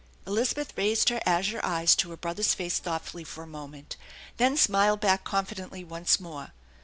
Elizabeth raised her azure eyes to her brother's face thoughtfully for a moment, then smiled back confidently once more.